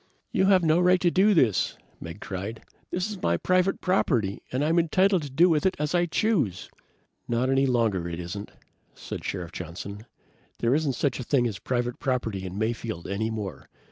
"You've no right to do this!" Meggs cried. "This is my private property and I'm entitled to do with it as I choose!" "Not any longer it isn't," said Sheriff Johnson. "There isn't such a thing as private property in Mayfield, any more.